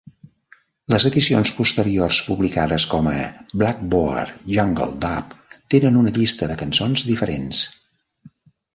Les edicions posteriors publicades com a "Blackboard Jungle Dub" tenen una llista de cançons diferents.